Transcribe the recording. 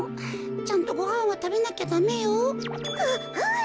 ちゃんとごはんはたべなきゃダメよ。ははい！